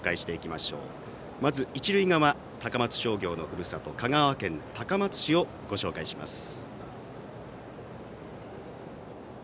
まず一塁側、高松商業のふるさと香川県高松市をご紹介します。